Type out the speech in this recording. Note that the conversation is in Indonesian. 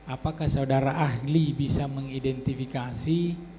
apakah saudara ahli bisa mengidentifikasi